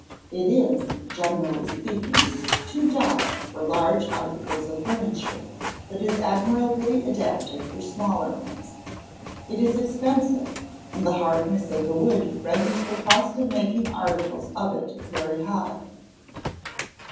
It is, generally speaking, too dark for large articles of furniture, but is admirably adapted for smaller ones. It is expensive, and the hardness of the wood renders the cost of making articles of it very high.